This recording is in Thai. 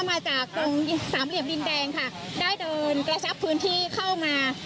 มาจากตรงสามเหลี่ยมดินแดงค่ะได้เดินกระชับพื้นที่เข้ามา